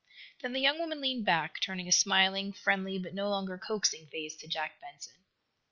Then the young woman leaned back, turning a smiling, friendly but no longer coaxing face to Jack Benson.